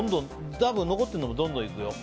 多分残ってるのもどんどんいくよ。